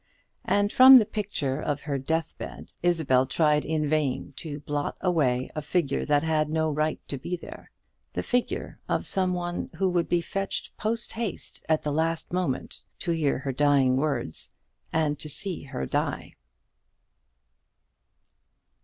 And from the picture of her deathbed Isabel tried in vain to blot away a figure that had no right to be there, the figure of some one who would be fetched post haste, at the last moment, to hear her dying words, and to see her die.